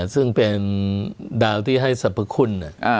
ซึ่งเป็นดาวที่ให้สรรพคุณ